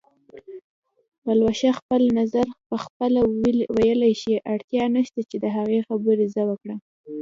پلوشه خپل نظر پخپله ویلی شي، اړتیا نشته چې د هغې خبرې زه وکړم